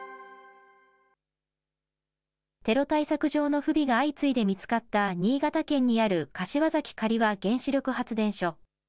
テロ対策上の不備が相次いで見つかった、新潟県にある柏崎刈羽原子力発電所。